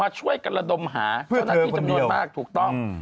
ช่วยกันระดมหาเจ้าหน้าที่จำนวนมากถูกต้อง